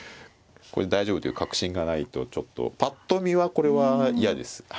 これで大丈夫という確信がないとちょっとぱっと見はこれは嫌です。